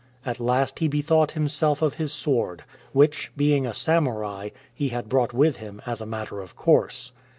At last he bethought himself of his sword, which, being a samurai, he had brought with him as a matter of course.